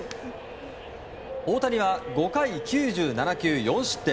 大谷は５回９７球４失点。